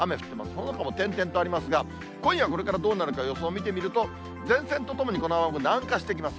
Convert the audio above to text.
そのほかも点々とありますが、今夜これからどうなるか、予想を見てみると、前線とともに、この雨雲、南下してきます。